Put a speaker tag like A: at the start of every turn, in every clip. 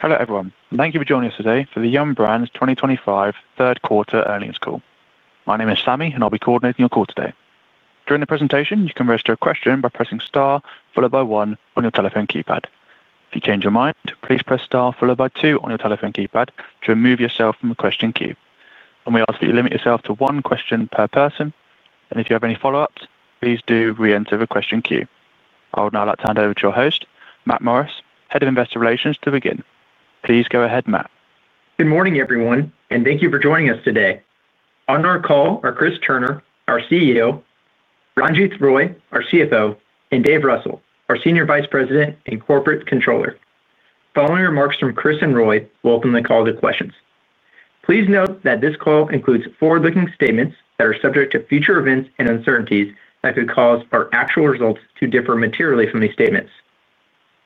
A: Hello everyone, and thank you for joining us today for the Yum!! Brands 2025 third quarter earnings call. My name is Sammy, and I'll be coordinating your call today. During the presentation, you can register a question by pressing star followed by one on your telephone keypad. If you change your mind, please press star followed by two on your telephone keypad to remove yourself from the question queue. We ask that you limit yourself to one question per person, and if you have any follow-ups, please do re-enter the question queue. I would now like to hand over to your host, Matt Morris, Head of Investor Relations, to begin. Please go ahead, Matt.
B: Good morning, everyone, and thank you for joining us today. On our call are Chris Turner, our CEO, Ranjith Roy, our CFO, and Dave Russell, our Senior Vice President and Corporate Controller. Following remarks from Chris and Roy, we'll open the call to questions. Please note that this call includes forward-looking statements that are subject to future events and uncertainties that could cause our actual results to differ materially from these statements.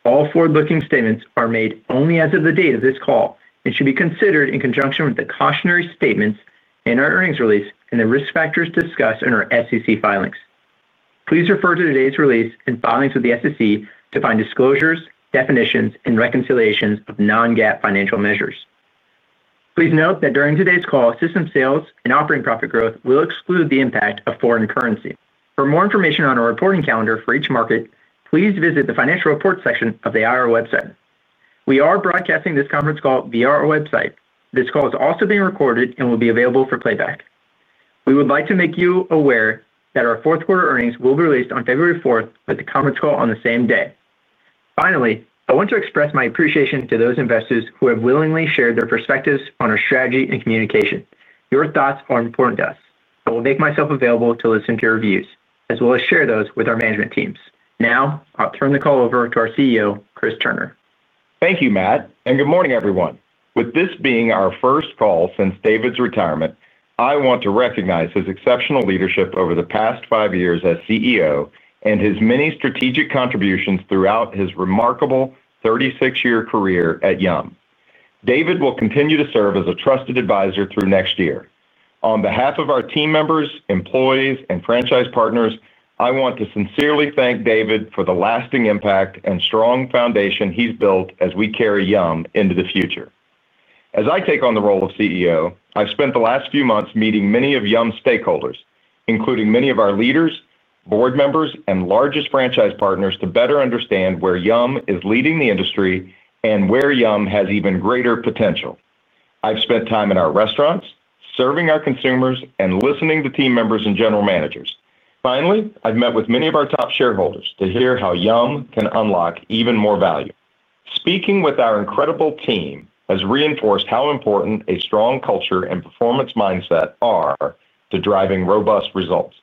B: All forward-looking statements are made only as of the date of this call and should be considered in conjunction with the cautionary statements in our earnings release and the risk factors discussed in our SEC filings. Please refer to today's release and filings with the SEC to find disclosures, definitions, and reconciliations of non-GAAP financial measures. Please note that during today's call, system sales and operating profit growth will exclude the impact of foreign currency. For more information on our reporting calendar for each market, please visit the financial reports section of the IRA website. We are broadcasting this conference call via our website. This call is also being recorded and will be available for playback. We would like to make you aware that our fourth quarter earnings will be released on February 4th with the conference call on the same day. Finally, I want to express my appreciation to those investors who have willingly shared their perspectives on our strategy and communication. Your thoughts are important to us, so I will make myself available to listen to your views, as well as share those with our management teams. Now, I'll turn the call over to our CEO, Chris Turner.
C: Thank you, Matt, and good morning, everyone. With this being our first call since David's retirement, I want to recognize his exceptional leadership over the past five years as CEO and his many strategic contributions throughout his remarkable 36-year career at Yum!. David will continue to serve as a trusted advisor through next year. On behalf of our team members, employees, and franchise partners, I want to sincerely thank David for the lasting impact and strong foundation he's built as we carry Yum! into the future. As I take on the role of CEO, I've spent the last few months meeting many of Yum!'s stakeholders, including many of our leaders, board members, and largest franchise partners, to better understand where Yum! is leading the industry and where Yum! has even greater potential. I've spent time in our restaurants, serving our consumers, and listening to team members and general managers. Finally, I've met with many of our top shareholders to hear how Yum! can unlock even more value. Speaking with our incredible team has reinforced how important a strong culture and performance mindset are to driving robust results.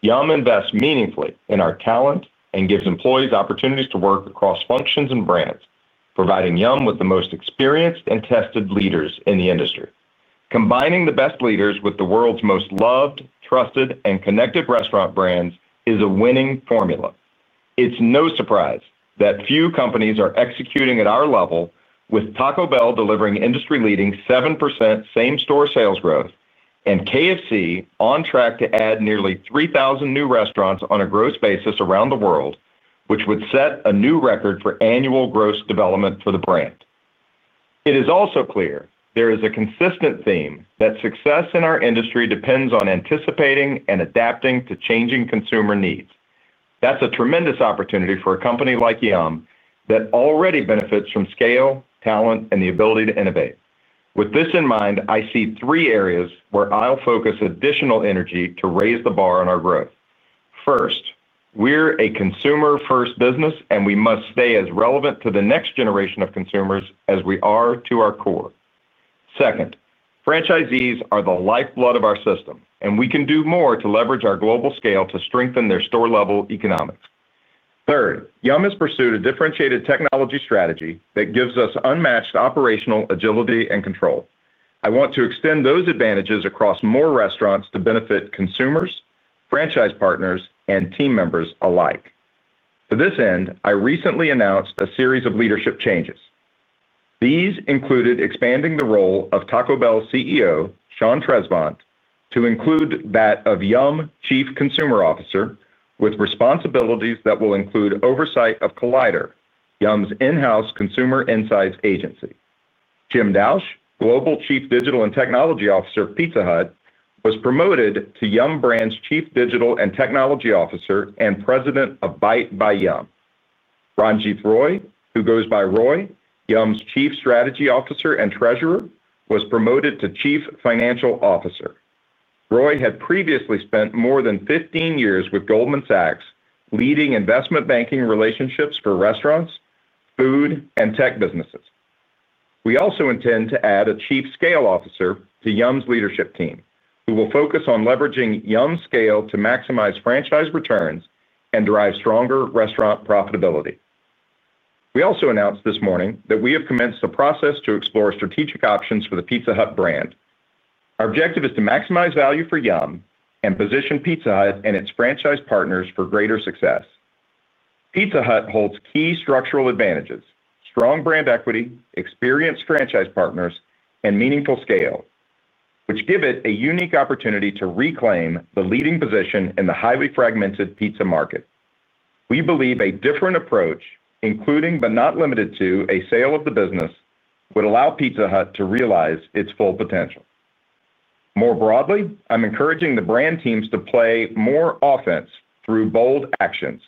C: Yum! invests meaningfully in our talent and gives employees opportunities to work across functions and brands, providing Yum! with the most experienced and tested leaders in the industry. Combining the best leaders with the world's most loved, trusted, and connected restaurant brands is a winning formula. It's no surprise that few companies are executing at our level, with Taco Bell delivering industry-leading 7% same-store sales growth and KFC on track to add nearly 3,000 new restaurants on a gross basis around the world, which would set a new record for annual gross development for the brand. It is also clear there is a consistent theme that success in our industry depends on anticipating and adapting to changing consumer needs. That's a tremendous opportunity for a company like Yum! that already benefits from scale, talent, and the ability to innovate. With this in mind, I see three areas where I'll focus additional energy to raise the bar on our growth. First, we're a consumer-first business, and we must stay as relevant to the next generation of consumers as we are to our core. Second, franchisees are the lifeblood of our system, and we can do more to leverage our global scale to strengthen their store-level economics. Third, Yum! has pursued a differentiated technology strategy that gives us unmatched operational agility and control. I want to extend those advantages across more restaurants to benefit consumers, franchise partners, and team members alike. To this end, I recently announced a series of leadership changes. These included expanding the role of Taco Bell CEO, Sean Tresvant, to include that of Yum! Chief Consumer Officer, with responsibilities that will include oversight of Collider, Yum!'s in-house consumer insights agency. Jim Dausch, Global Chief Digital and Technology Officer of Pizza Hut, was promoted to Yum! Brands Chief Digital and Technology Officer and President of Bite by Yum!. Ranjith Roy, who goes by Roy, Yum!'s Chief Strategy Officer and Treasurer, was promoted to Chief Financial Officer. Roy had previously spent more than 15 years with Goldman Sachs leading investment banking relationships for restaurants, food, and tech businesses. We also intend to add a Chief Scale Officer to Yum!'s leadership team, who will focus on leveraging Yum!'s scale to maximize franchise returns and drive stronger restaurant profitability. We also announced this morning that we have commenced the process to explore strategic options for the Pizza Hut brand. Our objective is to maximize value for Yum! and position Pizza Hut and its franchise partners for greater success. Pizza Hut holds key structural advantages: strong brand equity, experienced franchise partners, and meaningful scale, which give it a unique opportunity to reclaim the leading position in the highly fragmented pizza market. We believe a different approach, including but not limited to a sale of the business, would allow Pizza Hut to realize its full potential. More broadly, I'm encouraging the brand teams to play more offense through bold actions,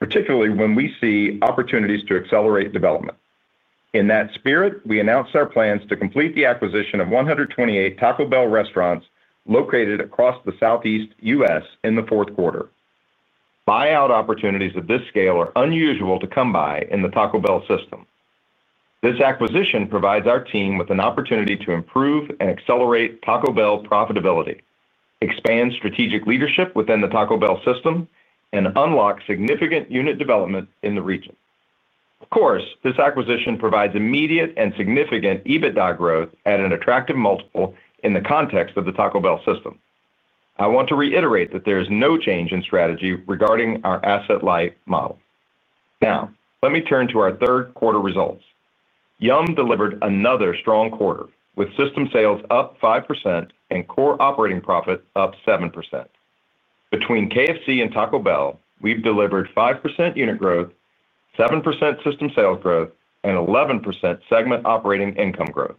C: particularly when we see opportunities to accelerate development. In that spirit, we announced our plans to complete the acquisition of 128 Taco Bell restaurants located across the Southeast U.S. in the fourth quarter. Buyout opportunities of this scale are unusual to come by in the Taco Bell system. This acquisition provides our team with an opportunity to improve and accelerate Taco Bell profitability, expand strategic leadership within the Taco Bell system, and unlock significant unit development in the region. Of course, this acquisition provides immediate and significant EBITDA growth at an attractive multiple in the context of the Taco Bell system. I want to reiterate that there is no change in strategy regarding our asset-light model. Now, let me turn to our third quarter results. Yum! delivered another strong quarter, with system sales up 5% and core operating profit up 7%. Between KFC and Taco Bell, we've delivered 5% unit growth, 7% system sales growth, and 11% segment operating income growth.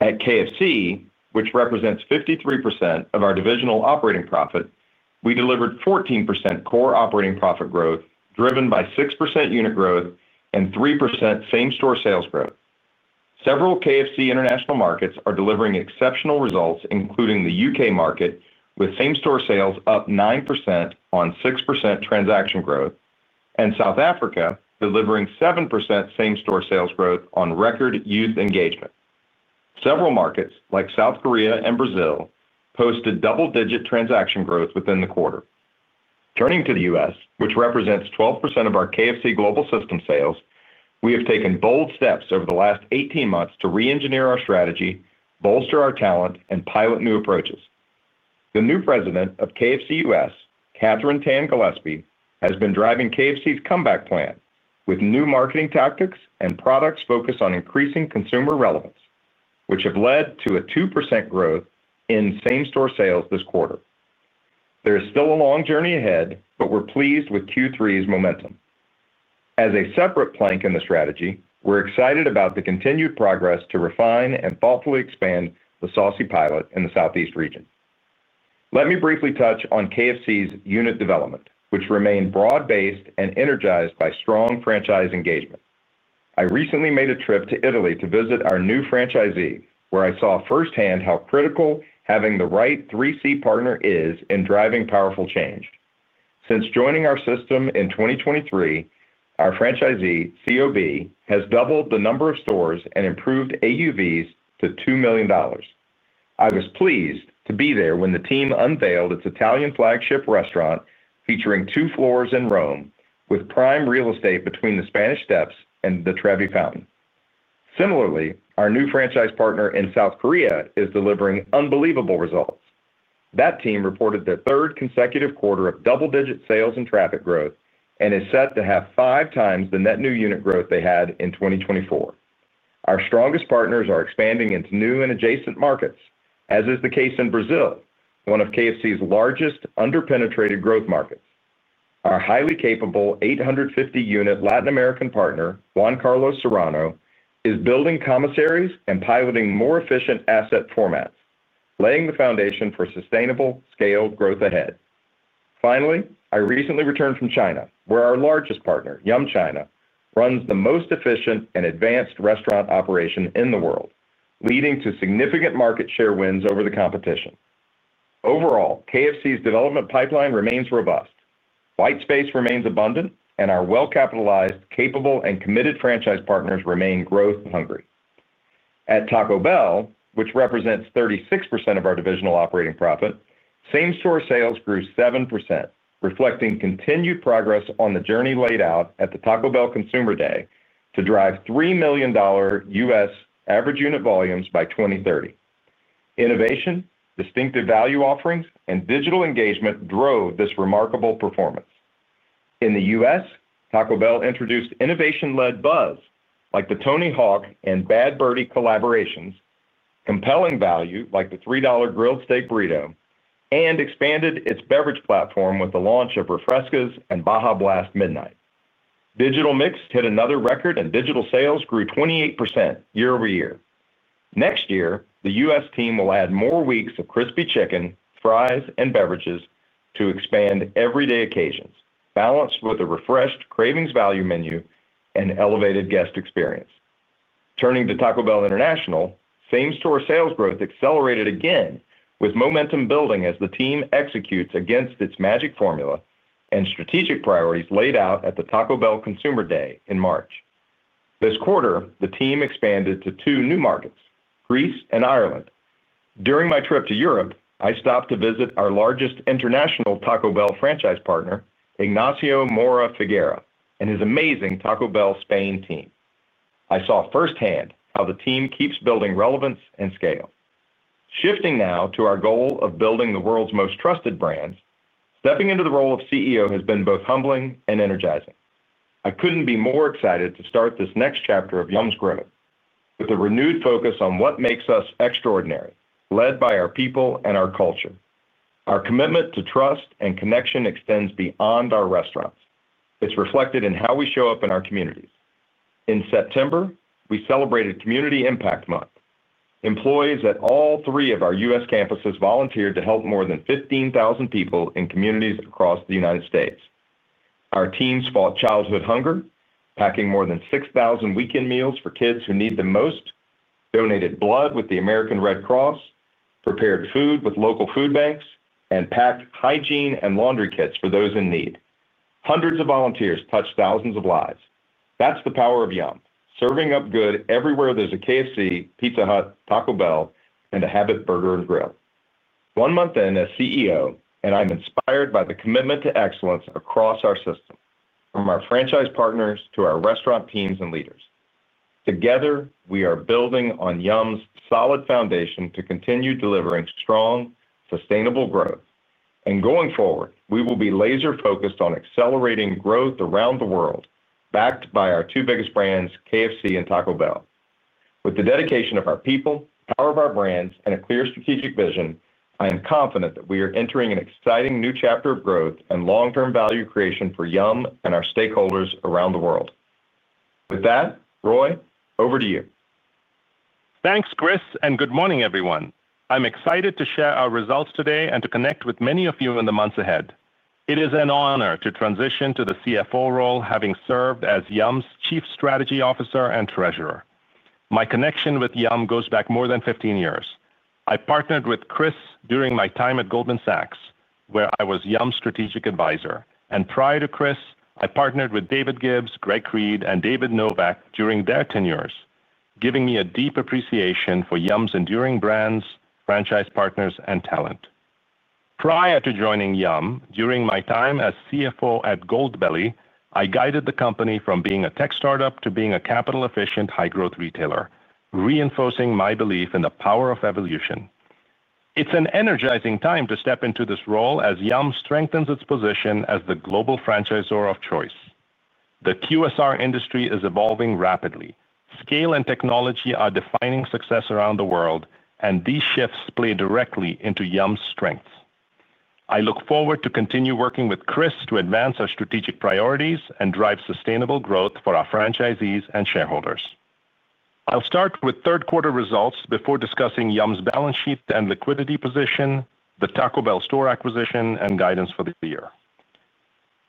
C: At KFC, which represents 53% of our divisional operating profit, we delivered 14% core operating profit growth driven by 6% unit growth and 3% same-store sales growth. Several KFC international markets are delivering exceptional results, including the U.K. market, with same-store sales up 9% on 6% transaction growth, and South Africa delivering 7% same-store sales growth on record youth engagement. Several markets, like South Korea and Brazil, posted double-digit transaction growth within the quarter. Turning to the U.S., which represents 12% of our KFC global system sales, we have taken bold steps over the last 18 months to re-engineer our strategy, bolster our talent, and pilot new approaches. The new President of KFC U.S., Catherine Tan-Gillespie, has been driving KFC's comeback plan with new marketing tactics and products focused on increasing consumer relevance, which have led to a 2% growth in same-store sales this quarter. There is still a long journey ahead, but we're pleased with Q3's momentum. As a separate plank in the strategy, we're excited about the continued progress to refine and thoughtfully expand the Saucy pilot in the Southeast region. Let me briefly touch on KFC's unit development, which remained broad-based and energized by strong franchise engagement. I recently made a trip to Italy to visit our new franchisee, where I saw firsthand how critical having the right 3C partner is in driving powerful change. Since joining our system in 2023, our franchisee, COB, has doubled the number of stores and improved AUVs to $2 million. I was pleased to be there when the team unveiled its Italian flagship restaurant featuring two floors in Rome, with prime real estate between the Spanish Steps and the Trevi Fountain. Similarly, our new franchise partner in South Korea is delivering unbelievable results. That team reported their third consecutive quarter of double-digit sales and traffic growth and is set to have 5x the net new unit growth they had in 2024. Our strongest partners are expanding into new and adjacent markets, as is the case in Brazil, one of KFC's largest under-penetrated growth markets. Our highly capable 850-unit Latin American partner, Juan Carlos Serrano, is building commissaries and piloting more efficient asset formats, laying the foundation for sustainable scale growth ahead. Finally, I recently returned from China, where our largest partner, Yum! China, runs the most efficient and advanced restaurant operation in the world, leading to significant market share wins over the competition. Overall, KFC's development pipeline remains robust. White space remains abundant, and our well-capitalized, capable, and committed franchise partners remain growth-hungry. At Taco Bell, which represents 36% of our divisional operating profit, same-store sales grew 7%, reflecting continued progress on the journey laid out at the Taco Bell Consumer Day to drive $3 million average unit volumes by 2030. Innovation, distinctive value offerings, and digital engagement drove this remarkable performance. In the U.S., Taco Bell introduced innovation-led buzz like the Tony Hawk and Bad Birdy collaborations, compelling value like the $3 Grilled Steak Burrito, and expanded its beverage platform with the launch of Refrescas and Baja Blast Midnight. Digital mix hit another record and digital sales grew 28% year-over-year. Next year, the U.S. team will add more weeks of crispy chicken, fries, and beverages to expand everyday occasions, balanced with a refreshed cravings value menu and elevated guest experience. Turning to Taco Bell International, same-store sales growth accelerated again, with momentum building as the team executes against its magic formula and strategic priorities laid out at the Taco Bell Consumer Day in March. This quarter, the team expanded to two new markets, Greece and Ireland. During my trip to Europe, I stopped to visit our largest international Taco Bell franchise partner, Ignacio Mora Figueira, and his amazing Taco Bell Spain team. I saw firsthand how the team keeps building relevance and scale. Shifting now to our goal of building the world's most trusted brands, stepping into the role of CEO has been both humbling and energizing. I could not be more excited to start this next chapter of Yum!'s growth with a renewed focus on what makes us extraordinary, led by our people and our culture. Our commitment to trust and connection extends beyond our restaurants. It is reflected in how we show up in our communities. In September, we celebrated Community Impact Month. Employees at all three of our U.S. campuses volunteered to help more than 15,000 people in communities across the United States. Our teams fought childhood hunger, packing more than 6,000 weekend meals for kids who need them most, donated blood with the American Red Cross, prepared food with local food banks, and packed hygiene and laundry kits for those in need. Hundreds of volunteers touched thousands of lives. That is the power of Yum!: serving up good everywhere there is a KFC, Pizza Hut, Taco Bell, and a Habit Burger & Grill. One month in as CEO, and I am inspired by the commitment to excellence across our system, from our franchise partners to our restaurant teams and leaders. Together, we are building on Yum!'s solid foundation to continue delivering strong, sustainable growth. Going forward, we will be laser-focused on accelerating growth around the world, backed by our two biggest brands, KFC and Taco Bell. With the dedication of our people, the power of our brands, and a clear strategic vision, I am confident that we are entering an exciting new chapter of growth and long-term value creation for Yum! and our stakeholders around the world. With that, Roy, over to you.
D: Thanks, Chris, and good morning, everyone. I am excited to share our results today and to connect with many of you in the months ahead. It is an honor to transition to the CFO role, having served as Yum!'s Chief Strategy Officer and Treasurer. My connection with Yum! goes back more than 15 years. I partnered with Chris during my time at Goldman Sachs, where I was Yum!'s Strategic Advisor. Prior to Chris, I partnered with David Gibbs, Greg Creed, and David Novak during their tenures, giving me a deep appreciation for Yum!'s enduring brands, franchise partners, and talent. Prior to joining Yum!, during my time as CFO at Goldbelly, I guided the company from being a tech start-up to being a capital-efficient, high-growth retailer, reinforcing my belief in the power of evolution. It is an energizing time to step into this role as Yum! strengthens its position as the global franchisor of choice. The QSR industry is evolving rapidly. Scale and technology are defining success around the world, and these shifts play directly into Yum!'s strengths. I look forward to continuing working with Chris to advance our strategic priorities and drive sustainable growth for our franchisees and shareholders. I'll start with third-quarter results before discussing Yum!'s balance sheet and liquidity position, the Taco Bell store acquisition, and guidance for the year.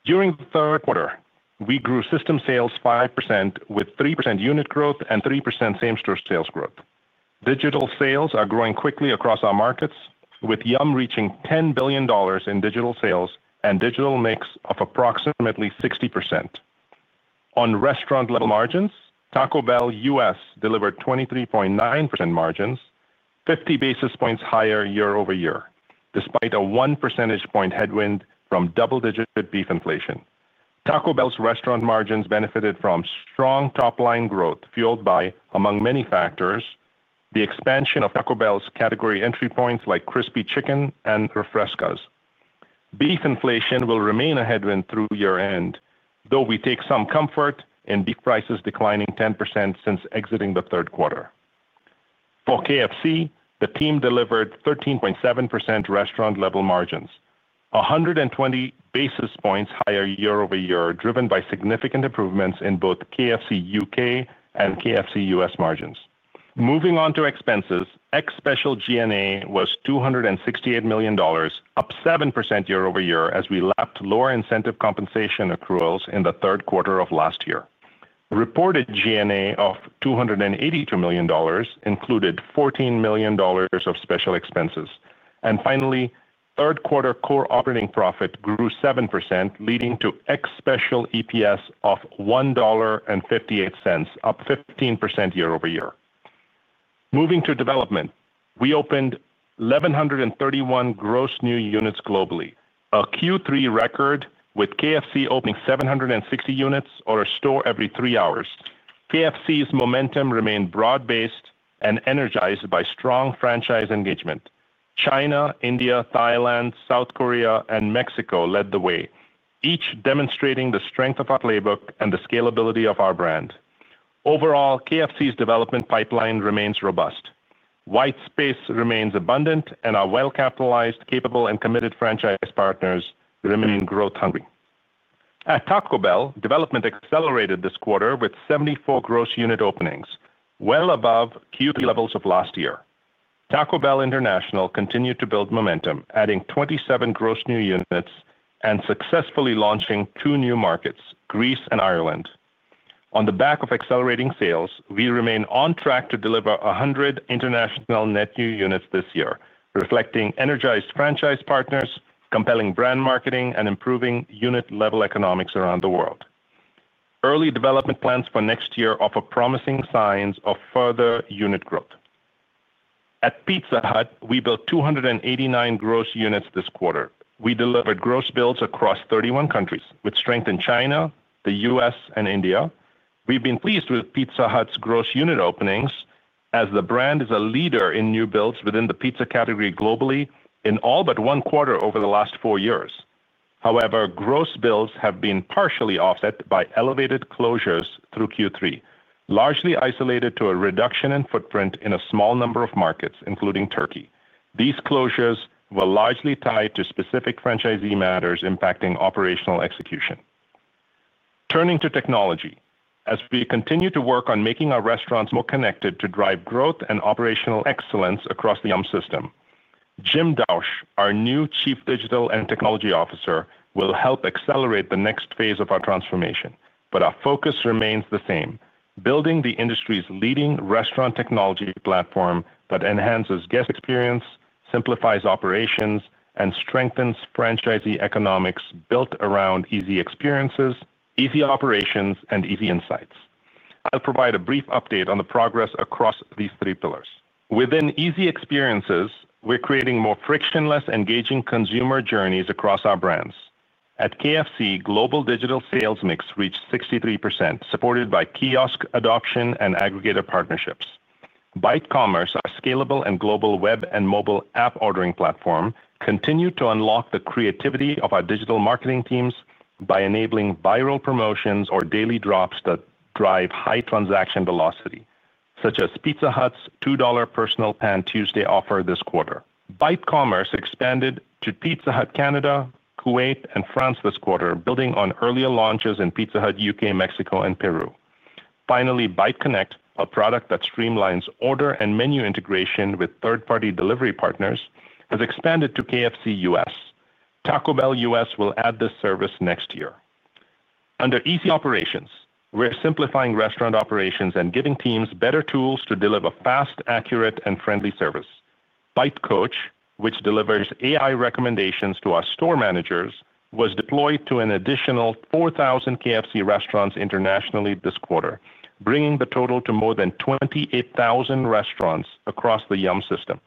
D: During the third quarter, we grew system sales 5% with 3% unit growth and 3% same-store sales growth. Digital sales are growing quickly across our markets, with Yum! reaching $10 billion in digital sales and a digital mix of approximately 60%. On restaurant-level margins, Taco Bell U.S. delivered 23.9% margins, 50 basis points higher year-over-year, despite a one percentage point headwind from double-digit beef inflation. Taco Bell's restaurant margins benefited from strong top-line growth fueled by, among many factors, the expansion of Taco Bell's category entry points like crispy chicken and refrescas. Beef inflation will remain a headwind through year-end, though we take some comfort in beef prices declining 10% since exiting the third quarter. For KFC, the team delivered 13.7% restaurant-level margins, 120 basis points higher year-over-year, driven by significant improvements in both KFC U.K. and KFC U.S. margins. Moving on to expenses, ex-special G&A was $268 million, up 7% year-over-year as we lapped lower incentive compensation accruals in the third quarter of last year. Reported G&A of $282 million included $14 million of special expenses. Finally, third-quarter core operating profit grew 7%, leading to ex-special EPS of $1.58, up 15% year-over-year. Moving to development, we opened 1,131 gross new units globally, a Q3 record, with KFC opening 760 units or a store every three hours. KFC's momentum remained broad-based and energized by strong franchise engagement. China, India, Thailand, South Korea, and Mexico led the way, each demonstrating the strength of our playbook and the scalability of our brand. Overall, KFC's development pipeline remains robust. White space remains abundant, and our well-capitalized, capable, and committed franchise partners remain growth-hungry. At Taco Bell, development accelerated this quarter with 74 gross unit openings, well above Q3 levels of last year. Taco Bell International continued to build momentum, adding 27 gross new units and successfully launching two new markets, Greece and Ireland. On the back of accelerating sales, we remain on track to deliver 100 international net new units this year, reflecting energized franchise partners, compelling brand marketing, and improving unit-level economics around the world. Early development plans for next year offer promising signs of further unit growth. At Pizza Hut, we built 289 gross units this quarter. We delivered gross builds across 31 countries, with strength in China, the U.S., and India. We've been pleased with Pizza Hut's gross unit openings, as the brand is a leader in new builds within the pizza category globally in all but one quarter over the last four years. However, gross builds have been partially offset by elevated closures through Q3, largely isolated to a reduction in footprint in a small number of markets, including Turkey. These closures were largely tied to specific franchisee matters impacting operational execution. Turning to technology, as we continue to work on making our restaurants more connected to drive growth and operational excellence across the Yum! system, Jim Dausch, our new Chief Digital and Technology Officer, will help accelerate the next phase of our transformation. Our focus remains the same: building the industry's leading restaurant technology platform that enhances guest experience, simplifies operations, and strengthens franchisee economics built around easy experiences, easy operations, and easy insights. I'll provide a brief update on the progress across these three pillars. Within easy experiences, we're creating more frictionless, engaging consumer journeys across our brands. At KFC, global digital sales mix reached 63%, supported by kiosk adoption and aggregator partnerships. Byte Commerce, our scalable and global web and mobile app ordering platform, continued to unlock the creativity of our digital marketing teams by enabling viral promotions or daily drops that drive high transaction velocity, such as Pizza Hut's $2 personal pan Tuesday offer this quarter. Byte Commerce expanded to Pizza Hut Canada, Kuwait, and France this quarter, building on earlier launches in Pizza Hut U.K., Mexico, and Peru. Finally, Byte Connect, a product that streamlines order and menu integration with third-party delivery partners, has expanded to KFC U.S. Taco Bell U.S. will add this service next year. Under easy operations, we're simplifying restaurant operations and giving teams better tools to deliver fast, accurate, and friendly service. Byte Coach, which delivers AI recommendations to our store managers, was deployed to an additional 4,000 KFC restaurants internationally this quarter, bringing the total to more than 28,000 restaurants across the Yum! system.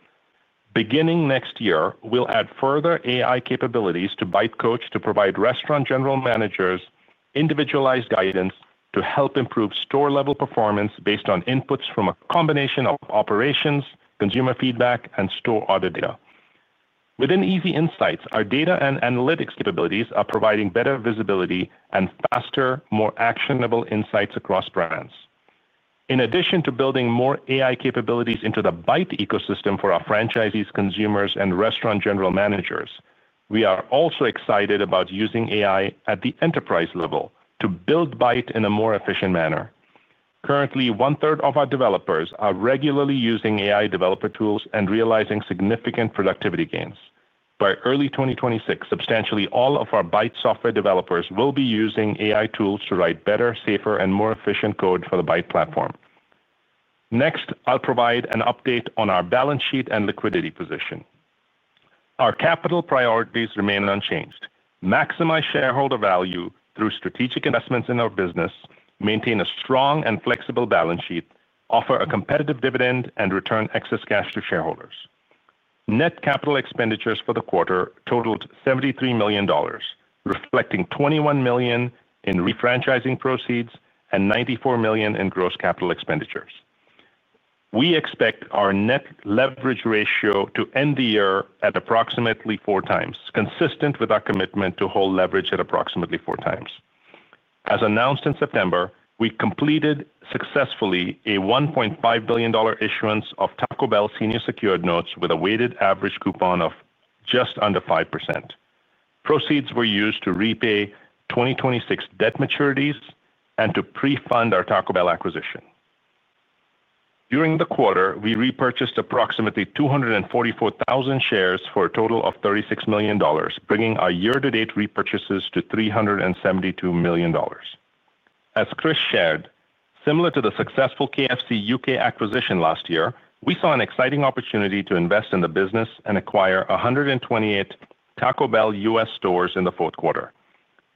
D: Beginning next year, we'll add further AI capabilities to Byte Coach to provide restaurant general managers individualized guidance to help improve store-level performance based on inputs from a combination of operations, consumer feedback, and store audit data. Within easy insights, our data and analytics capabilities are providing better visibility and faster, more actionable insights across brands. In addition to building more AI capabilities into the Byte ecosystem for our franchisees, consumers, and restaurant general managers, we are also excited about using AI at the enterprise level to build Byte in a more efficient manner. Currently, one-third of our developers are regularly using AI developer tools and realizing significant productivity gains. By early 2026, substantially all of our Byte software developers will be using AI tools to write better, safer, and more efficient code for the Byte platform. Next, I'll provide an update on our balance sheet and liquidity position. Our capital priorities remain unchanged: maximize shareholder value through strategic investments in our business, maintain a strong and flexible balance sheet, offer a competitive dividend, and return excess cash to shareholders. Net capital expenditures for the quarter totaled $73 million, reflecting $21 million in refranchising proceeds and $94 million in gross capital expenditures. We expect our net leverage ratio to end the year at approximately four times, consistent with our commitment to hold leverage at approximately four times. As announced in September, we completed successfully a $1.5 billion issuance of Taco Bell Senior Secured notes with a weighted average coupon of just under 5%. Proceeds were used to repay 2026 debt maturities and to pre-fund our Taco Bell acquisition. During the quarter, we repurchased approximately 244,000 shares for a total of $36 million, bringing our year-to-date repurchases to $372 million. As Chris shared, similar to the successful KFC U.K. acquisition last year, we saw an exciting opportunity to invest in the business and acquire 128 Taco Bell U.S. stores in the fourth quarter.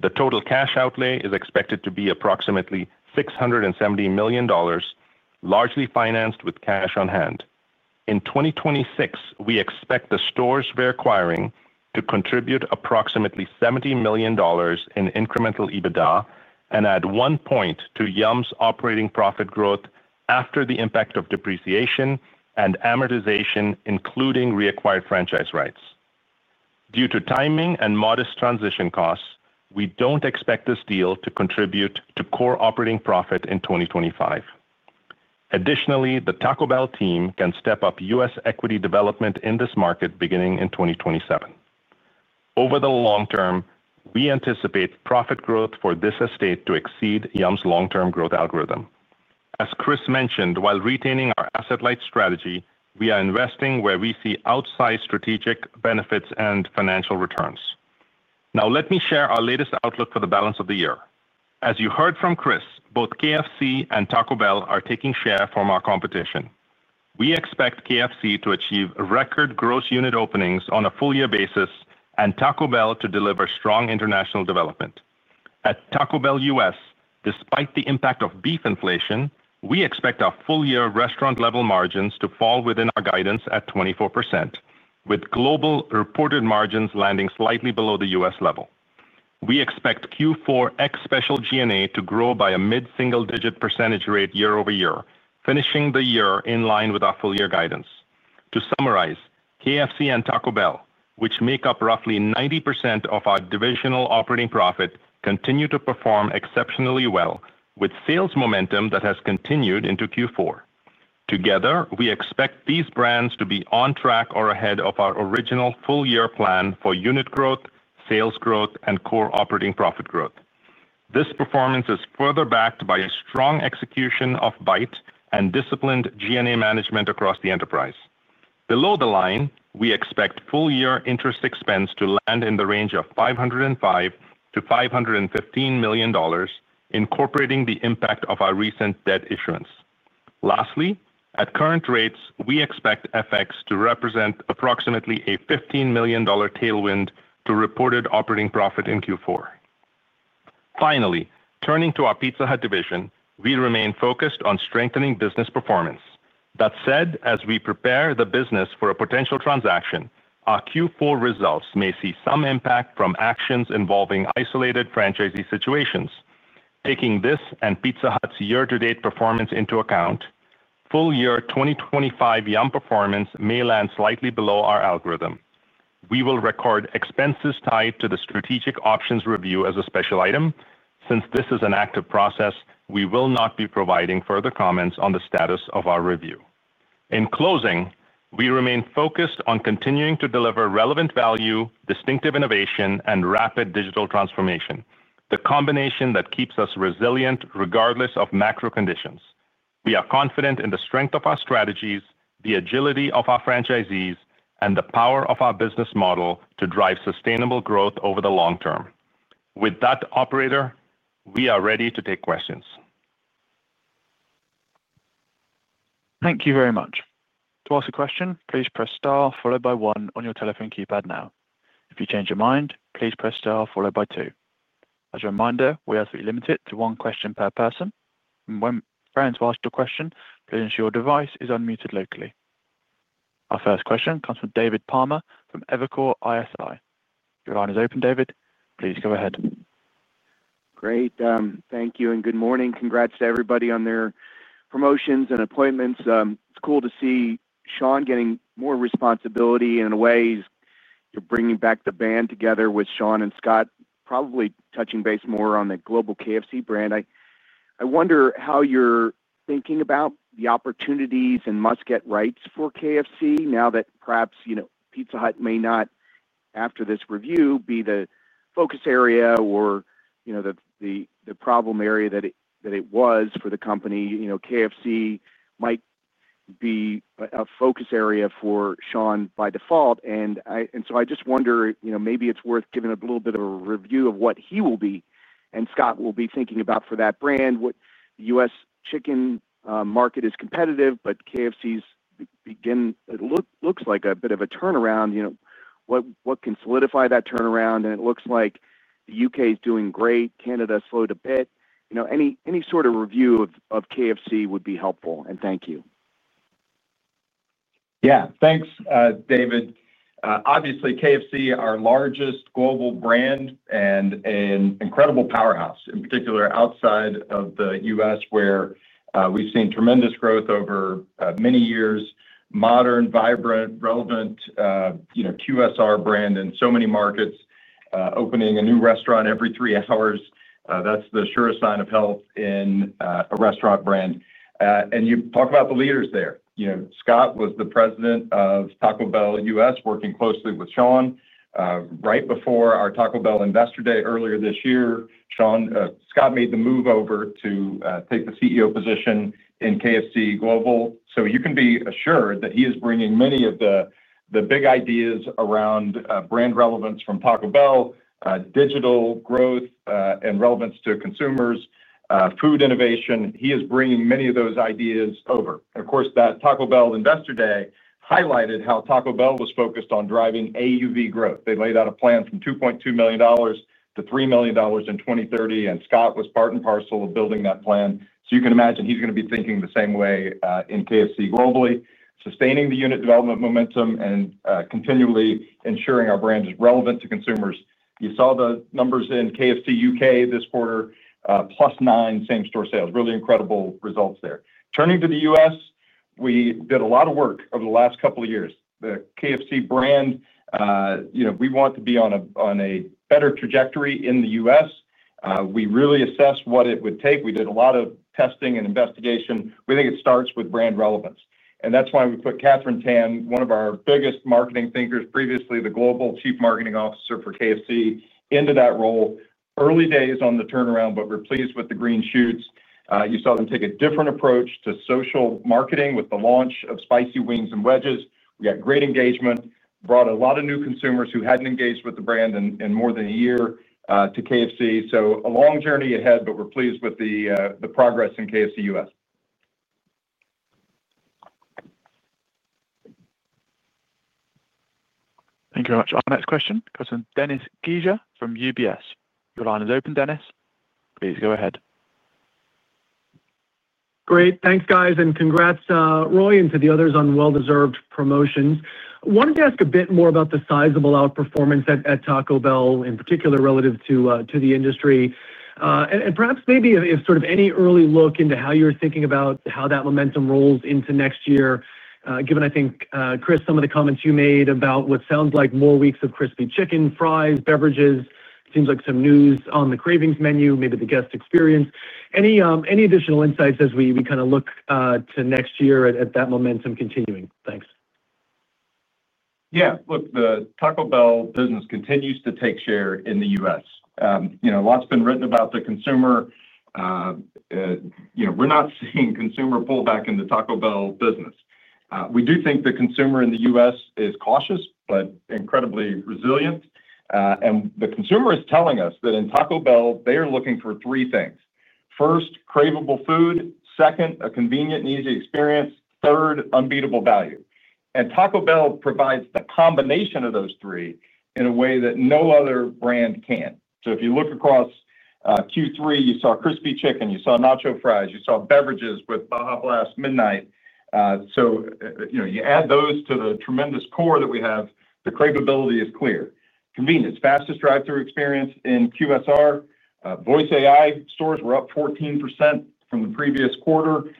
D: The total cash outlay is expected to be approximately $670 million. Largely financed with cash on hand. In 2026, we expect the stores we're acquiring to contribute approximately $70 million in incremental EBITDA and add one point to Yum!'s operating profit growth after the impact of depreciation and amortization, including reacquired franchise rights. Due to timing and modest transition costs, we don't expect this deal to contribute to core operating profit in 2025. Additionally, the Taco Bell team can step up U.S. equity development in this market beginning in 2027. Over the long term, we anticipate profit growth for this estate to exceed Yum!'s long-term growth algorithm. As Chris mentioned, while retaining our asset-light strategy, we are investing where we see outsized strategic benefits and financial returns. Now, let me share our latest outlook for the balance of the year. As you heard from Chris, both KFC and Taco Bell are taking share from our competition. We expect KFC to achieve record gross unit openings on a full-year basis and Taco Bell to deliver strong international development. At Taco Bell U.S., despite the impact of beef inflation, we expect our full-year restaurant-level margins to fall within our guidance at 24%, with global reported margins landing slightly below the U.S. level. We expect Q4 ex-special G&A to grow by a mid-single-digit percentage rate year-over-year, finishing the year in line with our full-year guidance. To summarize, KFC and Taco Bell, which make up roughly 90% of our divisional operating profit, continue to perform exceptionally well, with sales momentum that has continued into Q4. Together, we expect these brands to be on track or ahead of our original full-year plan for unit growth, sales growth, and core operating profit growth. This performance is further backed by a strong execution of Byte and disciplined G&A management across the enterprise. Below the line, we expect full-year interest expense to land in the range of $505 million-$515 million, incorporating the impact of our recent debt issuance. Lastly, at current rates, we expect FX to represent approximately a $15 million tailwind to reported operating profit in Q4. Finally, turning to our Pizza Hut division, we remain focused on strengthening business performance. That said, as we prepare the business for a potential transaction, our Q4 results may see some impact from actions involving isolated franchisee situations. Taking this and Pizza Hut's year-to-date performance into account, full-year 2025 Yum! performance may land slightly below our algorithm. We will record expenses tied to the strategic options review as a special item. Since this is an active process, we will not be providing further comments on the status of our review. In closing, we remain focused on continuing to deliver relevant value, distinctive innovation, and rapid digital transformation, the combination that keeps us resilient regardless of macro conditions. We are confident in the strength of our strategies, the agility of our franchisees, and the power of our business model to drive sustainable growth over the long term. With that, operator, we are ready to take questions.
A: Thank you very much. To ask a question, please press star followed by one on your telephone keypad now. If you change your mind, please press star followed by two. As a reminder, we are limited to one question per person. When friends will ask your question, please ensure your device is unmuted locally. Our first question comes from David Palmer from Evercore ISI. Your line is open, David. Please go ahead. Great. Thank you and good morning.
E: Congrats to everybody on their promotions and appointments. It's cool to see Sean getting more responsibility in ways. You're bringing back the band together with Sean and Scott, probably touching base more on the global KFC brand. I wonder how you're thinking about the opportunities and must-get rights for KFC now that perhaps Pizza Hut may not, after this review, be the focus area or the problem area that it was for the company. KFC might be a focus area for Sean by default. I just wonder maybe it's worth giving a little bit of a review of what he will be and Scott will be thinking about for that brand. The U.S. chicken market is competitive, but KFC's begin, it looks like a bit of a turnaround. What can solidify that turnaround? It looks like the U.K. is doing great. Canada slowed a bit. Any sort of review of KFC would be helpful. Thank you.
C: Yeah. Thanks, David. Obviously, KFC, our largest global brand and an incredible powerhouse, in particular outside of the U.S., where we've seen tremendous growth over many years. Modern, vibrant, relevant QSR brand in so many markets, opening a new restaurant every three hours. That's the surest sign of health in a restaurant brand. You talk about the leaders there. Scott was the President of Taco Bell U.S., working closely with Sean. Right before our Taco Bell Investor Day earlier this year, Scott made the move over to take the CEO position in KFC Global. You can be assured that he is bringing many of the big ideas around brand relevance from Taco Bell, digital growth and relevance to consumers, food innovation. He is bringing many of those ideas over. Of course, that Taco Bell Investor Day highlighted how Taco Bell was focused on driving AUV growth. They laid out a plan from $2.2 million to $3 million in 2030. And Scott was part and parcel of building that plan. You can imagine he's going to be thinking the same way in KFC globally, sustaining the unit development momentum and continually ensuring our brand is relevant to consumers. You saw the numbers in KFC U.K. this quarter, +9% same-store sales. Really incredible results there. Turning to the U.S., we did a lot of work over the last couple of years. The KFC brand. We want to be on a better trajectory in the U.S. We really assessed what it would take. We did a lot of testing and investigation. We think it starts with brand relevance. That is why we put Katherine Tan, one of our biggest marketing thinkers, previously the global Chief Marketing Officer for KFC, into that role. Early days on the turnaround, but we're pleased with the green shoots. You saw them take a different approach to social marketing with the launch of spicy wings and wedges. We had great engagement, brought a lot of new consumers who had not engaged with the brand in more than a year to KFC. A long journey ahead, but we're pleased with the progress in KFC U.S.
A: Thank you very much. Our next question comes from Dennis Geiger from UBS. Your line is open, Dennis. Please go ahead. Great.
F: Thanks, guys. And congrats, Roy, and to the others on well-deserved promotions. I wanted to ask a bit more about the sizable outperformance at Taco Bell, in particular relative to the industry. Perhaps maybe sort of any early look into how you're thinking about how that momentum rolls into next year, given, I think, Chris, some of the comments you made about what sounds like more weeks of crispy chicken, fries, beverages. It seems like some news on the cravings menu, maybe the guest experience. Any additional insights as we kind of look to next year at that momentum continuing? Thanks.
C: Yeah. Look, the Taco Bell business continues to take share in the U.S. A lot's been written about the consumer. We're not seeing consumer pullback in the Taco Bell business. We do think the consumer in the U.S. is cautious but incredibly resilient. The consumer is telling us that in Taco Bell, they are looking for three things. First, craveable food. Second, a convenient and easy experience. Third, unbeatable value. Taco Bell provides a combination of those three in a way that no other brand can. If you look across Q3, you saw crispy chicken. You saw nacho fries. You saw beverages with Baja Blast Midnight. You add those to the tremendous core that we have, the craveability is clear. Convenience, fastest drive-through experience in QSR. Voice AI stores were up 14% from the previous quarter.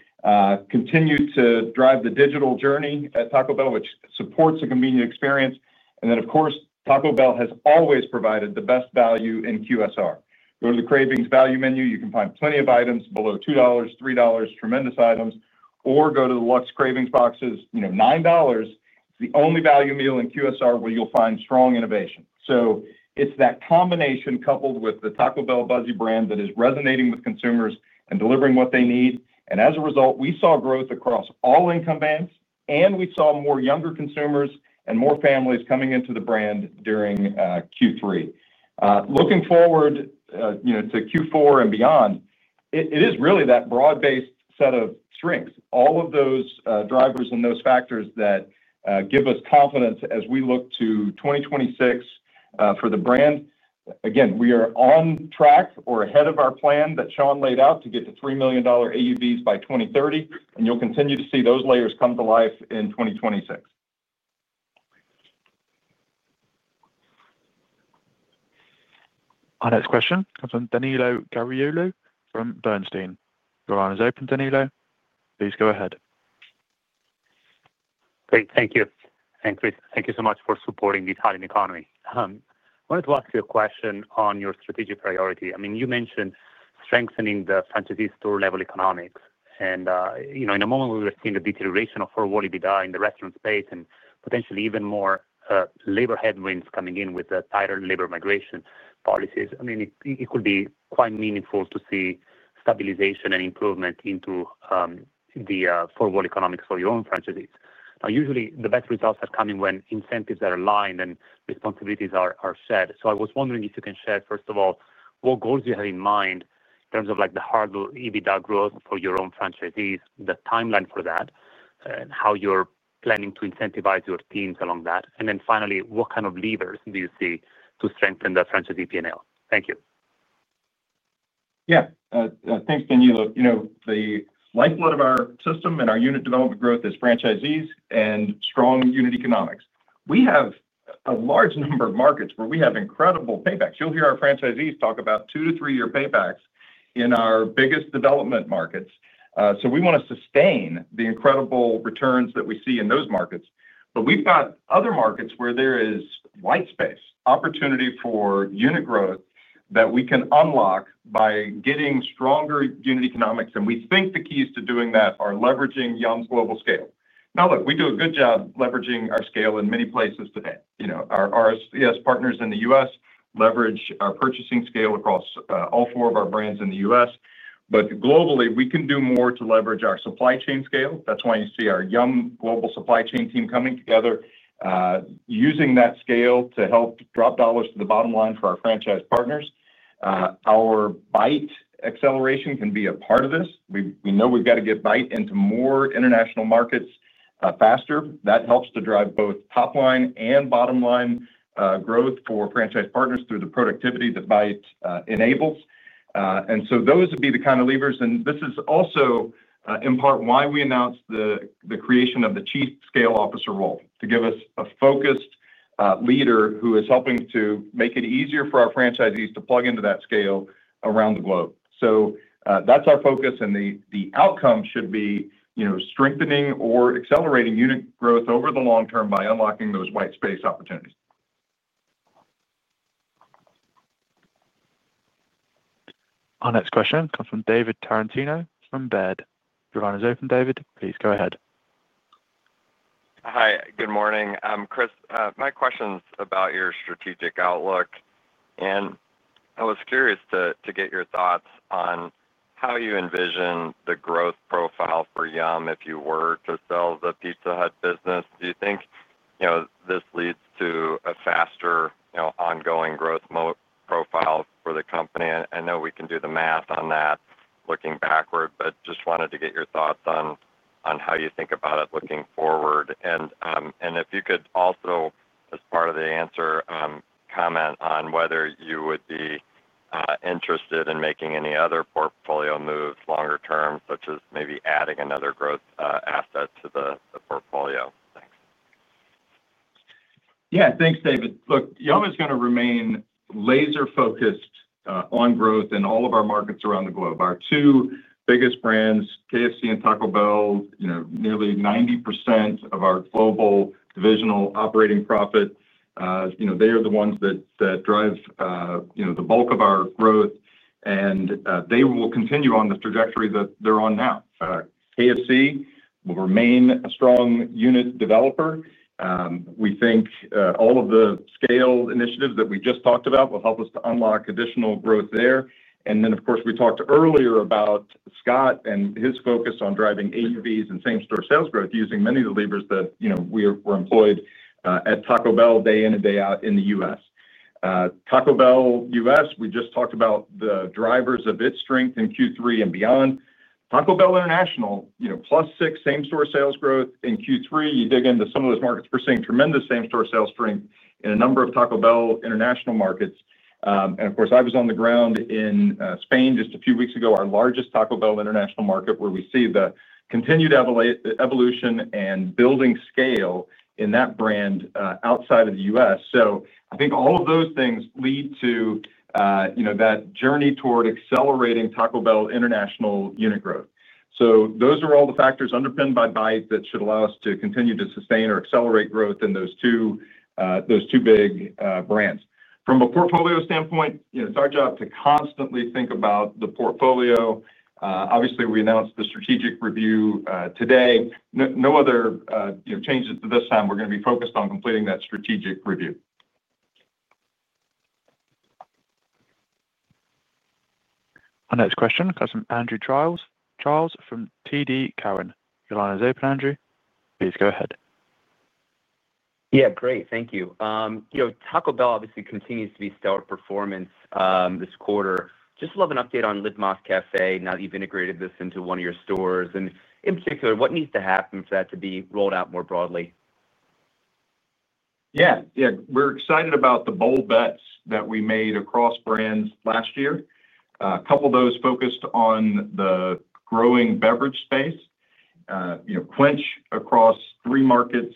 C: Continue to drive the digital journey at Taco Bell, which supports a convenient experience. Of course, Taco Bell has always provided the best value in QSR. Go to the cravings value menu. You can find plenty of items below $2, $3, tremendous items. Go to the luxe cravings boxes. $9 is the only value meal in QSR where you'll find strong innovation. It is that combination coupled with the Taco Bell buzzy brand that is resonating with consumers and delivering what they need. As a result, we saw growth across all income bands, and we saw more younger consumers and more families coming into the brand during Q3. Looking forward to Q4 and beyond, it is really that broad-based set of strengths, all of those drivers and those factors that give us confidence as we look to 2026 for the brand. Again, we are on track or ahead of our plan that Sean laid out to get to $3 million AUVs by 2030. You'll continue to see those layers come to life in 2026.
A: Our next question comes from Danilo Gargiulo from Bernstein. Your line is open, Danilo. Please go ahead.
G: Great. Thank you. Chris, thank you so much for supporting the Italian economy. I wanted to ask you a question on your strategic priority. I mean, you mentioned strengthening the franchisee store-level economics. In a moment where we're seeing a deterioration of four-wall EBITDA in the restaurant space and potentially even more labor headwinds coming in with the tighter labor migration policies, I mean, it could be quite meaningful to see stabilization and improvement into the four-wall economics for your own franchisees. Usually, the best results are coming when incentives are aligned and responsibilities are shared. I was wondering if you can share, first of all, what goals you have in mind in terms of the hard EBITDA growth for your own franchisees, the timeline for that, and how you're planning to incentivize your teams along that. Finally, what kind of levers do you see to strengthen the franchisee P&L? Thank you.
C: Yeah. Thanks, Danilo. The lifeblood of our system and our unit development growth is franchisees and strong unit economics. We have a large number of markets where we have incredible paybacks. You'll hear our franchisees talk about two- to three-year paybacks in our biggest development markets. We want to sustain the incredible returns that we see in those markets. We've got other markets where there is white space, opportunity for unit growth that we can unlock by getting stronger unit economics. We think the keys to doing that are leveraging Yum!'s global scale. Now, look, we do a good job leveraging our scale in many places today. Our RSCS partners in the U.S. leverage our purchasing scale across all four of our brands in the U.S. Globally, we can do more to leverage our supply chain scale. That's why you see our Yum! global supply chain team coming together, using that scale to help drop dollars to the bottom line for our franchise partners. Our Byte acceleration can be a part of this. We know we've got to get Byte into more international markets faster. That helps to drive both top-line and bottom-line growth for franchise partners through the productivity that Byte enables. Those would be the kind of levers. This is also, in part, why we announced the creation of the Chief Scale Officer role, to give us a focused leader who is helping to make it easier for our franchisees to plug into that scale around the globe. That's our focus. The outcome should be strengthening or accelerating unit growth over the long term by unlocking those white space opportunities.
A: Our next question comes from David Tarantino from Baird. Your line is open, David. Please go ahead.
H: Hi. Good morning. Chris, my question is about your strategic outlook. I was curious to get your thoughts on how you envision the growth profile for Yum! if you were to sell the Pizza Hut business. Do you think this leads to a faster ongoing growth profile for the company? I know we can do the math on that looking backward, but just wanted to get your thoughts on how you think about it looking forward. If you could also, as part of the answer, comment on whether you would be interested in making any other portfolio moves longer term, such as maybe adding another growth asset to the portfolio. Thanks.
C: Yeah. Thanks, David. Look, Yum! is going to remain laser-focused on growth in all of our markets around the globe. Our two biggest brands, KFC and Taco Bell, nearly 90% of our global divisional operating profit. They are the ones that drive the bulk of our growth. They will continue on the trajectory that they're on now. KFC will remain a strong unit developer. We think all of the scale initiatives that we just talked about will help us to unlock additional growth there. Of course, we talked earlier about Scott and his focus on driving AUVs and same-store sales growth using many of the levers that we were employed at Taco Bell day in and day out in the U.S. Taco Bell U.S., we just talked about the drivers of its strength in Q3 and beyond. Taco Bell International, +6% same-store sales growth in Q3. You dig into some of those markets, we're seeing tremendous same-store sales strength in a number of Taco Bell international markets. I was on the ground in Spain just a few weeks ago, our largest Taco Bell international market, where we see the continued evolution and building scale in that brand outside of the U.S. I think all of those things lead to that journey toward accelerating Taco Bell international unit growth. So those are all the factors underpinned by Byte that should allow us to continue to sustain or accelerate growth in those two big brands. From a portfolio standpoint, it's our job to constantly think about the portfolio. Obviously, we announced the strategic review today. No other changes at this time. We're going to be focused on completing that strategic review.
A: Our next question comes from Andrew Charles from TD Cowen. Your line is open, Andrew.
I: Please go ahead. Yeah. Great. Thank you. Taco Bell obviously continues to be stellar performance this quarter. Just love an update on Live Más Café, now that you've integrated this into one of your stores. And in particular, what needs to happen for that to be rolled out more broadly?
C: Yeah. Yeah. We're excited about the bold bets that we made across brands last year. A couple of those focused on the growing beverage space. Quench across three markets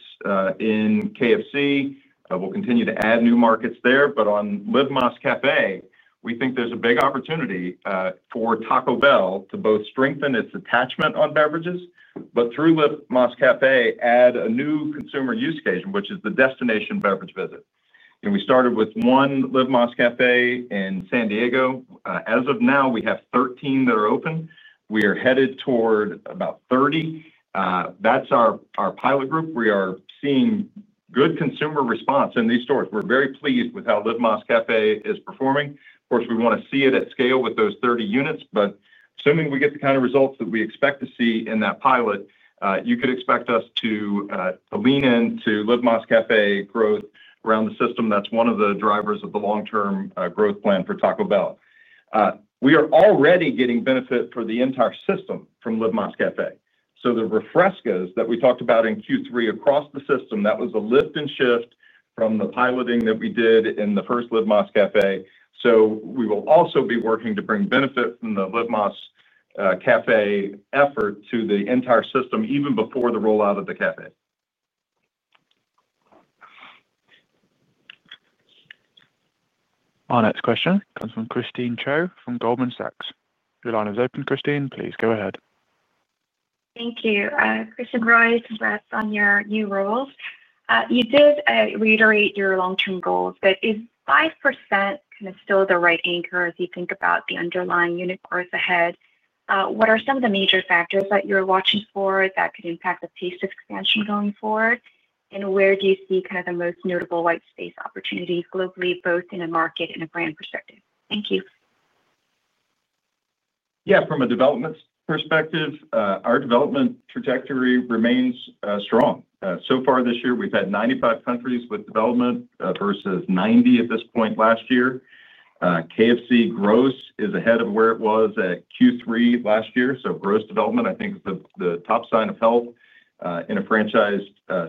C: in KFC. We'll continue to add new markets there. On Live Más Café, we think there's a big opportunity for Taco Bell to both strengthen its attachment on beverages, but through Live Más Café, add a new consumer use case, which is the destination beverage visit. We started with one Live Más Café in San Diego. As of now, we have 13 that are open. We are headed toward about 30. That's our pilot group. We are seeing good consumer response in these stores. We're very pleased with how Live Más Café is performing. Of course, we want to see it at scale with those 30 units. Assuming we get the kind of results that we expect to see in that pilot, you could expect us to lean into Live Más Café growth around the system. That's one of the drivers of the long-term growth plan for Taco Bell. We are already getting benefit for the entire system from Live Más Café. The refrescas that we talked about in Q3 across the system, that was a lift and shift from the piloting that we did in the first Live Más Café. We will also be working to bring benefit from the Live Más Café effort to the entire system, even before the rollout of the café.
A: Our next question comes from Christine Cho from Goldman Sachs. Your line is open, Christine. Please go ahead.
J: Thank you. Congrats Roy on your new roles. You did reiterate your long-term goals. Is 5% kind of still the right anchor as you think about the underlying unit growth ahead? What are some of the major factors that you're watching for that could impact the pace of expansion going forward? Where do you see kind of the most notable white space opportunities globally, both in a market and a brand perspective? Thank you.
C: Yeah. From a development perspective, our development trajectory remains strong. So far this year, we've had 95 countries with development versus 90 at this point last year. KFC gross is ahead of where it was at Q3 last year. So gross development, I think, is the top sign of health in a franchise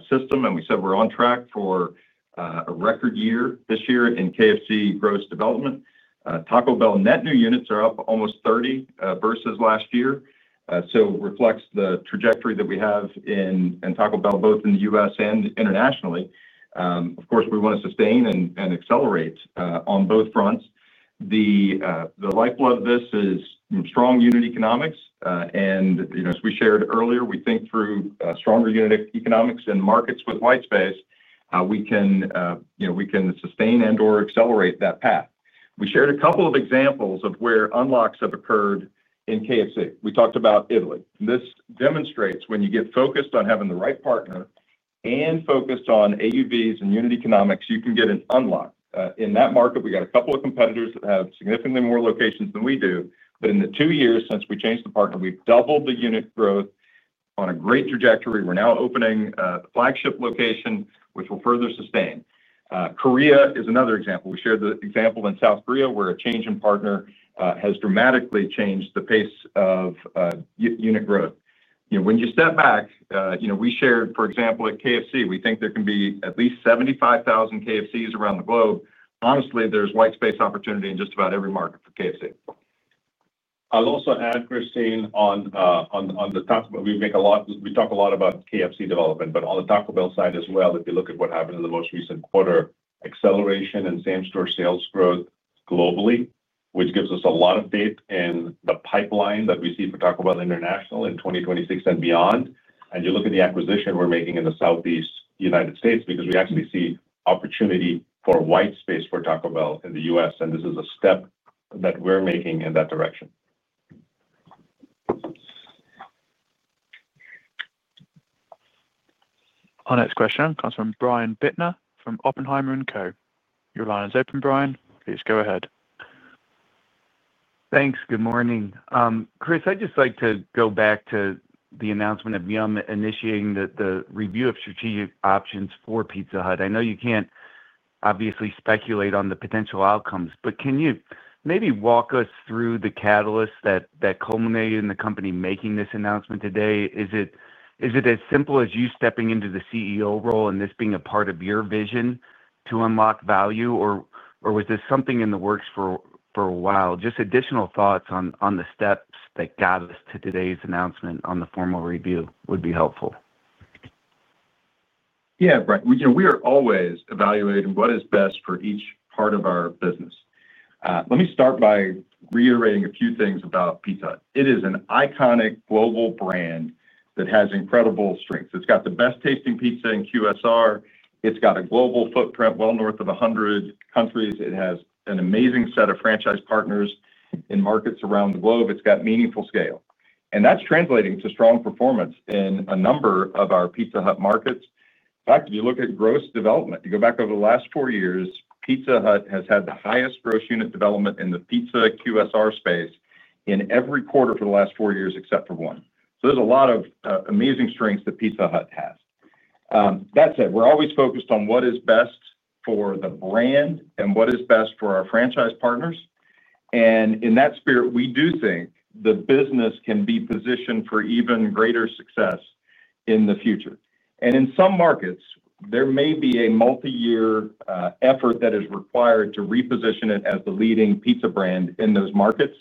C: system. And we said we're on track for a record year this year in KFC gross development. Taco Bell net new units are up almost 30 versus last year. So it reflects the trajectory that we have in Taco Bell, both in the U.S. and internationally. Of course, we want to sustain and accelerate on both fronts. The lifeblood of this is strong unit economics. And as we shared earlier, we think through stronger unit economics and markets with white space, we can sustain and/or accelerate that path. We shared a couple of examples of where unlocks have occurred in KFC. We talked about Italy. This demonstrates when you get focused on having the right partner and focused on AUVs and unit economics, you can get an unlock. In that market, we got a couple of competitors that have significantly more locations than we do. But in the two years since we changed the partner, we've doubled the unit growth on a great trajectory. We're now opening a flagship location, which will further sustain. Korea is another example. We shared the example in South Korea, where a change in partner has dramatically changed the pace of unit growth. When you step back, we shared, for example, at KFC, we think there can be at least 75,000 KFCs around the globe. Honestly, there's white space opportunity in just about every market for KFC. I'll also add, Christine, on the Taco Bell. We talk a lot about KFC development. But on the Taco Bell side as well, if you look at what happened in the most recent quarter, acceleration in same-store sales growth globally, which gives us a lot of faith in the pipeline that we see for Taco Bell International in 2026 and beyond. And you look at the acquisition we're making in the Southeast U.S. because we actually see opportunity for white space for Taco Bell in the U.S. And this is a step that we're making in that direction.
A: Our next question comes from Brian Bittner from Oppenheimer & Co. Your line is open, Brian. Please go ahead.
K: Thanks. Good morning. Chris, I'd just like to go back to the announcement of Yum! initiating the review of strategic options for Pizza Hut. I know you can't obviously speculate on the potential outcomes. But can you maybe walk us through the catalysts that culminated in the company making this announcement today? Is it as simple as you stepping into the CEO role and this being a part of your vision to unlock value? Or was this something in the works for a while? Just additional thoughts on the steps that got us to today's announcement on the formal review would be helpful.
C: Yeah. We are always evaluating what is best for each part of our business. Let me start by reiterating a few things about Pizza. It is an iconic global brand that has incredible strengths. It's got the best-tasting pizza in QSR. It's got a global footprint well north of 100 countries. It has an amazing set of franchise partners in markets around the globe. It's got meaningful scale. That is translating to strong performance in a number of our Pizza Hut markets. In fact, if you look at gross development, you go back over the last four years, Pizza Hut has had the highest gross unit development in the pizza QSR space in every quarter for the last four years except for one. There are a lot of amazing strengths that Pizza Hut has. That said, we're always focused on what is best for the brand and what is best for our franchise partners. In that spirit, we do think the business can be positioned for even greater success in the future. In some markets, there may be a multi-year effort that is required to reposition it as the leading pizza brand in those markets.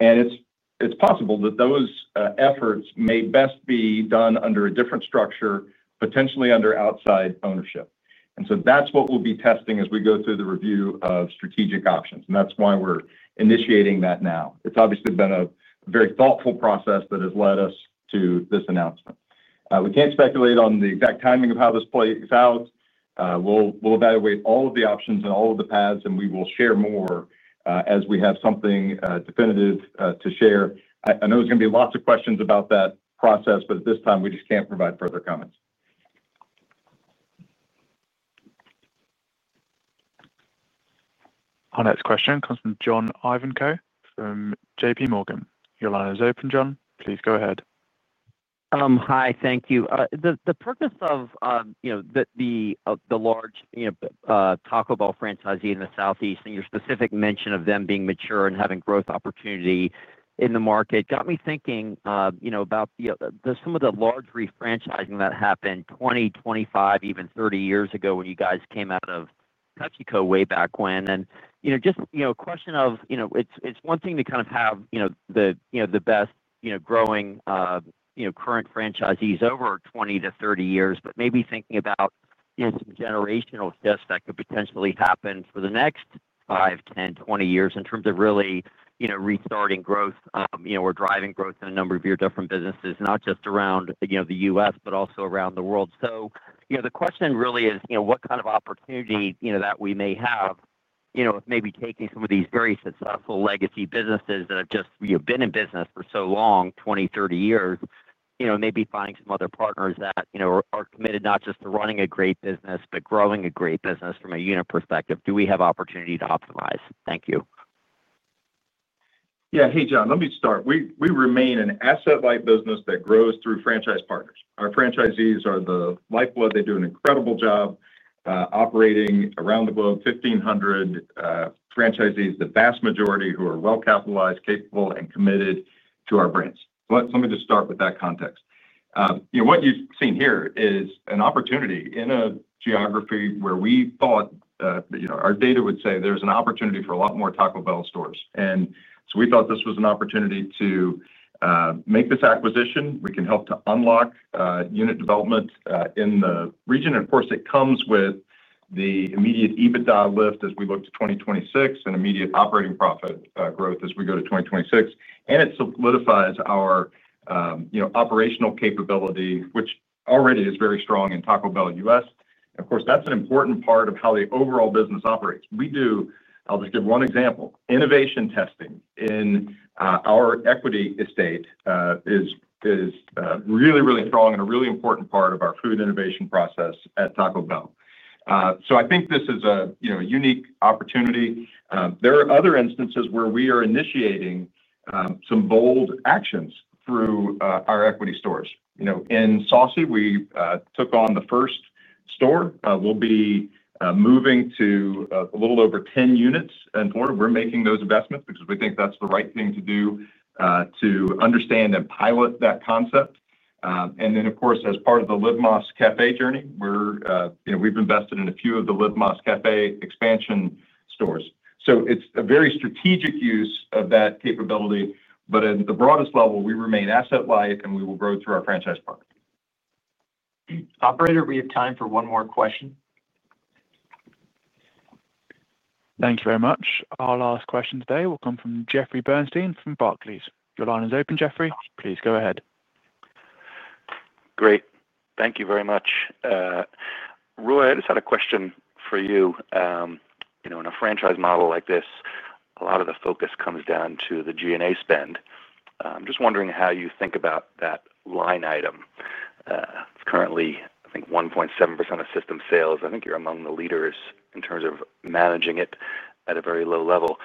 C: It is possible that those efforts may best be done under a different structure, potentially under outside ownership. That is what we'll be testing as we go through the review of strategic options. That is why we're initiating that now. It has obviously been a very thoughtful process that has led us to this announcement. We can't speculate on the exact timing of how this plays out. We'll evaluate all of the options and all of the paths, and we will share more as we have something definitive to share. I know there's going to be lots of questions about that process, but at this time, we just can't provide further comments.
A: Our next question comes from John Ivankoe from JPMorgan. Your line is open, John. Please go ahead.
L: Hi. Thank you. The purpose of the large Taco Bell franchisee in the Southeast and your specific mention of them being mature and having growth opportunity in the market got me thinking about some of the large refranchising that happened 20, 25, even 30 years ago when you guys came out of PepsiCo way back when. Just a question of it's one thing to kind of have the best growing current franchisees over 20-30 years, but maybe thinking about some generational shifts that could potentially happen for the next 5, 10, 20 years in terms of really restarting growth or driving growth in a number of your different businesses, not just around the U.S., but also around the world. The question really is what kind of opportunity that we may have if maybe taking some of these very successful legacy businesses that have just been in business for so long, 20, 30 years, maybe finding some other partners that are committed not just to running a great business, but growing a great business from a unit perspective. Do we have opportunity to optimize? Thank you.
C: Yeah. Hey, John. Let me start. We remain an asset-light business that grows through franchise partners. Our franchisees are the lifeblood. They do an incredible job. Operating around the globe, 1,500 franchisees, the vast majority who are well-capitalized, capable, and committed to our brands. Let me just start with that context. What you've seen here is an opportunity in a geography where we thought our data would say there's an opportunity for a lot more Taco Bell stores. We thought this was an opportunity to make this acquisition. We can help to unlock unit development in the region. Of course, it comes with the immediate EBITDA lift as we look to 2026 and immediate operating profit growth as we go to 2026. It solidifies our operational capability, which already is very strong in Taco Bell U.S. Of course, that's an important part of how the overall business operates. I'll just give one example. Innovation testing in our equity estate is really, really strong and a really important part of our food innovation process at Taco Bell. I think this is a unique opportunity. There are other instances where we are initiating some bold actions through our equity stores. In Saucy, we took on the first store. We'll be moving to a little over 10 units in Florida. We're making those investments because we think that's the right thing to do to understand and pilot that concept. Of course, as part of the Live Más Café journey, we've invested in a few of the Live Más Café expansion stores. It's a very strategic use of that capability. At the broadest level, we remain asset-light, and we will grow through our franchise partners.
B: Operator, we have time for one more question. Thank you very much.
A: Our last question today will come from Jeffrey Bernstein from Barclays. Your line is open, Jeffrey. Please go ahead.
M: Great. Thank you very much. Roy, I just had a question for you. In a franchise model like this, a lot of the focus comes down to the G&A spend. I'm just wondering how you think about that line item. It's currently, I think, 1.7% of system sales. I think you're among the leaders in terms of managing it at a very low level.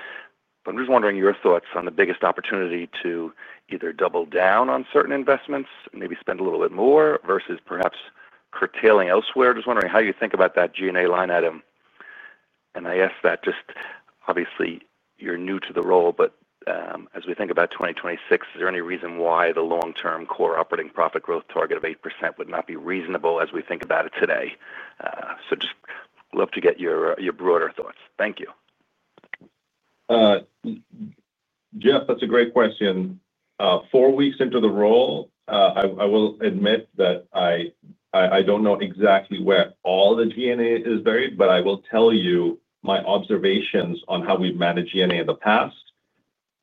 M: I'm just wondering your thoughts on the biggest opportunity to either double down on certain investments, maybe spend a little bit more, versus perhaps curtailing elsewhere. Just wondering how you think about that G&A line item. I ask that just, obviously, you're new to the role. As we think about 2026, is there any reason why the long-term core operating profit growth target of 8% would not be reasonable as we think about it today? Just love to get your broader thoughts. Thank you.
D: Jeff, that's a great question. Four weeks into the role, I will admit that. I don't know exactly where all the G&A is buried, but I will tell you my observations on how we've managed G&A in the past.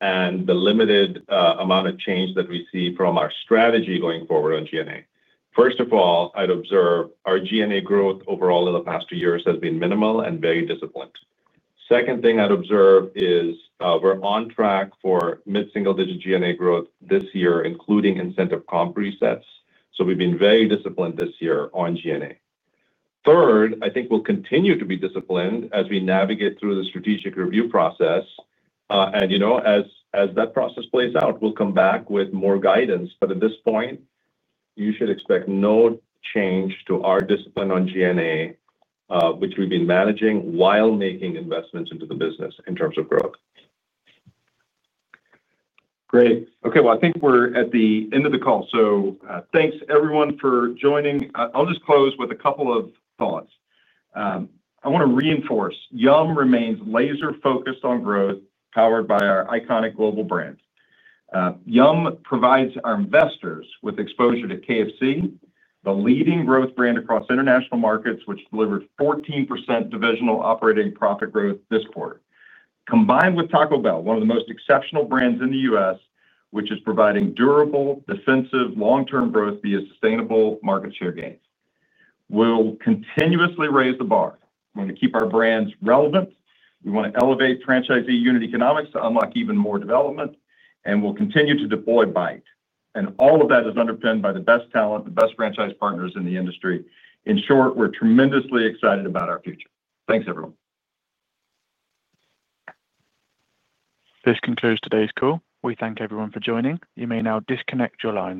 D: And the limited amount of change that we see from our strategy going forward on G&A. First of all, I'd observe our G&A growth overall in the past two years has been minimal and very disciplined. Second thing I'd observe is we're on track for mid-single-digit G&A growth this year, including incentive comp resets. So we've been very disciplined this year on G&A. Third, I think we'll continue to be disciplined as we navigate through the strategic review process. As that process plays out, we'll come back with more guidance. At this point, you should expect no change to our discipline on G&A, which we've been managing while making investments into the business in terms of growth.
C: Great. Okay. I think we're at the end of the call. Thanks, everyone, for joining. I'll just close with a couple of thoughts. I want to reinforce Yum!! Brands remains laser-focused on growth powered by our iconic global brand. Yum!! Brands provides our investors with exposure to KFC, the leading growth brand across international markets, which delivered 14% divisional operating profit growth this quarter, combined with Taco Bell, one of the most exceptional brands in the U.S., which is providing durable, defensive, long-term growth via sustainable market share gains. We'll continuously raise the bar. We want to keep our brands relevant. We want to elevate franchisee unit economics to unlock even more development. We'll continue to deploy buying. All of that is underpinned by the best talent, the best franchise partners in the industry. In short, we're tremendously excited about our future. Thanks, everyone.
A: This concludes today's call. We thank everyone for joining. You may now disconnect your lines.